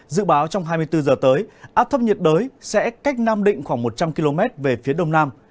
dự báo trong hai mươi bốn giờ tới áp thấp nhiệt đới sẽ cách nam định khoảng một trăm linh km về phía đông nam